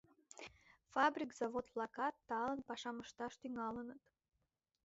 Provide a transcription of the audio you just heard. Фабрик, завод-влакат талын пашам ышташ тӱҥалыныт.